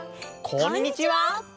こんにちは！